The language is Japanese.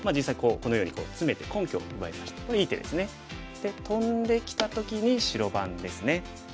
でトンできた時に白番ですね。